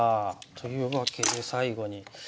というわけで最後に。